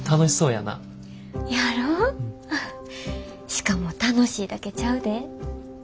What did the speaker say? しかも楽しいだけちゃうで。